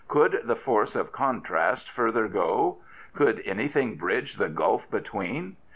Could the force of contrast further go? Could an)d;hing bridge the gulf between